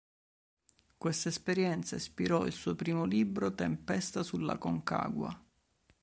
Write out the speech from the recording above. Questa esperienza ispirò il suo primo libro "Tempesta sull'Aconcagua".